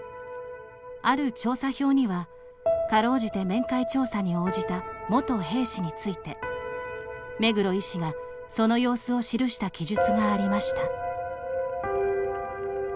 ある調査表には、かろうじて面会調査に応じた元兵士について目黒医師がその様子を記した記述がありました。